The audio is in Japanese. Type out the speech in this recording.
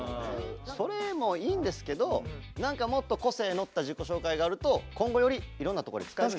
それもいいんですけど何かもっと個性のった自己紹介があると今後よりいろんなとこで使えるんじゃないかなと。